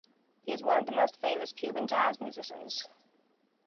He is one of the most famous Cuban jazz musicians.